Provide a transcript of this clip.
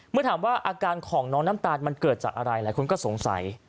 เมื่อถามว่าอาการของน้องน้ำตาลมันเกิดจากอะไรหลายคนก็สงสัย